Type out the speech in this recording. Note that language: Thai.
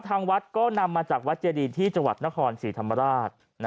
ทางวัดก็นำมาจากวัดเจดีที่จังหวัดนครศรีธรรมราช